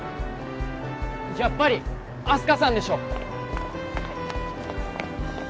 やっぱりあす花さんでしょ